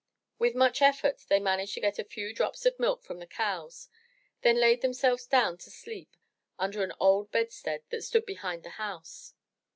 With much effort they managed to get a few drops of milk from the cows, then laid themselves down to sleep under an old bedstead that stood behind the house.